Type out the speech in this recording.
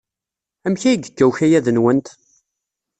Amek ay yekka ukayad-nwent?